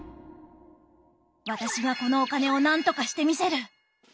私がこのお金をなんとかしてみせる。